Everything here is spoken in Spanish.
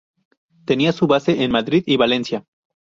Tenía su base en Madrid y Valencia.